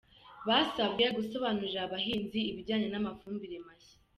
Basabwe gusobanurira abahinzi ibijyanye n’amafumbire mashya.